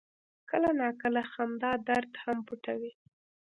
کله ناکله خندا درد هم پټوي.